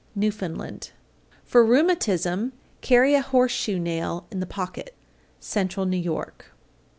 Newfoundland. 821. For rheumatism, carry a horseshoe nail in the pocket. _Central New York.